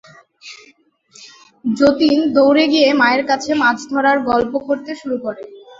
যতীন দৌড়ে গিয়ে মায়ের কাছে মাছ ধরার গল্প করতে শুরু করে।